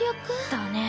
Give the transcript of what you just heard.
だね。